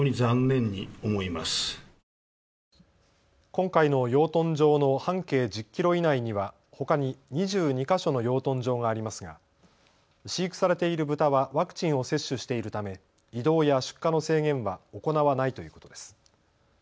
今回の養豚場の半径１０キロ以内にはほかに２２か所の養豚場がありますが飼育されているブタはワクチンを接種しているため移動や出荷の制限は行わないということです。